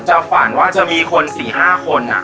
ฝันว่าจะมีคน๔๕คน